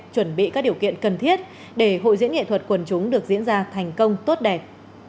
chuẩn bị các điều kiện cần thiết để hội diễn nghệ thuật quần chúng được diễn ra thành công tốt đẹp